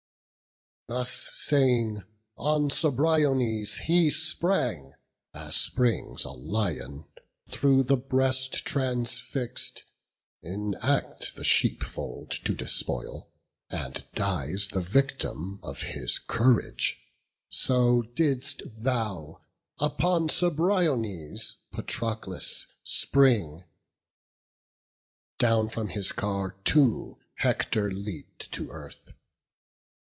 Thus saying, on Cebriones he sprang, As springs a lion, through the breast transfix'd, In act the sheepfold to despoil, and dies The victim of his courage; so didst thou Upon Cebriones, Patroclus, spring. Down from his car too Hector leap'd to earth.